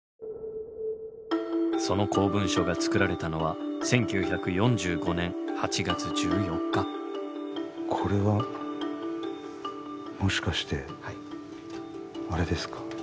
その公文書が作られたのはこれはもしかしてあれですか？